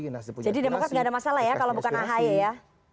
jadi demokras gak ada masalah ya kalau bukan ahy ya